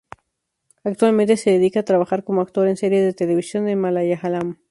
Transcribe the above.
Actualmente se dedica a trabajar como actor en series de televisión en malayalam.